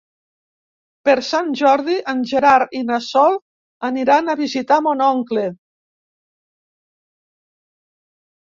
Per Sant Jordi en Gerard i na Sol aniran a visitar mon oncle.